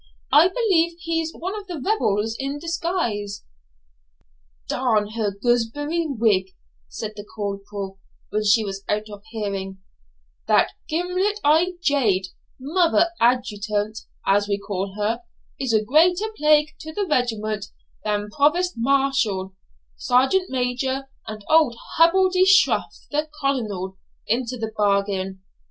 I believe he's one of the rebels in disguise.' 'D n her gooseberry wig,' said the corporal, when she was out of hearing, 'that gimlet eyed jade mother adjutant, as we call her is a greater plague to the regiment than provost marshal, sergeant major, and old Hubble de Shuff, the colonel, into the bargain.